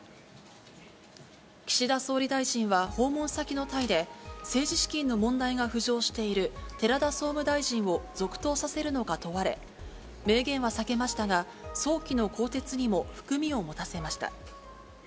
岸田総理大臣は訪問先のタイで、政治資金の問題が浮上している寺田総務大臣を続投させるのか問われ、明言は避けましたが、早期の更迭にも含みを持たせました。